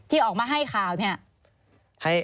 ที่ออกมาให้ข่าวเนี่ย